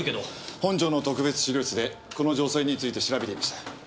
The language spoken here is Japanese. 本庁の特別資料室でこの女性について調べていました。